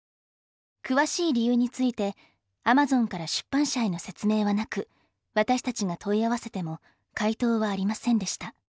詳しい理由についてアマゾンから出版社への説明はなく私たちが問い合わせても回答はありませんでした。